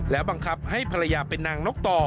บังคับให้ภรรยาเป็นนางนกต่อ